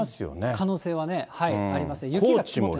可能性はね、あります。